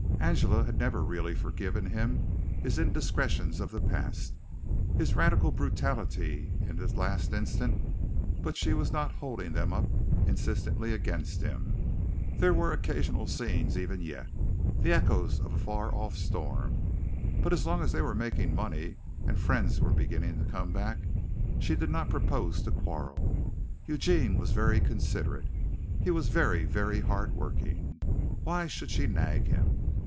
Angela had never really forgiven him his indiscretions of the past, his radical brutality in the last instance, but she was not holding them up insistently against him. There were occasional scenes even yet, the echoes of a far off storm; but as long as they were making money and friends were beginning to come back she did not propose to quarrel. Eugene was very considerate. He was very, very hard working. Why should she nag him?